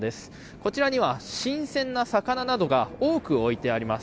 こちらには、新鮮な魚などが多く置いてあります。